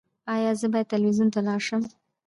ایا زه باید تلویزیون ته لاړ شم؟